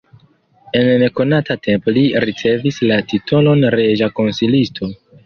En nekonata tempo li ricevis la titolon reĝa konsilisto.